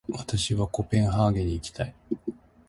私はコペンハーゲンに行きたい。